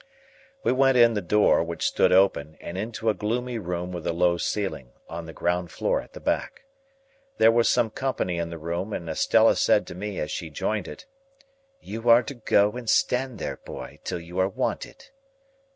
We went in at the door, which stood open, and into a gloomy room with a low ceiling, on the ground floor at the back. There was some company in the room, and Estella said to me as she joined it, "You are to go and stand there boy, till you are wanted."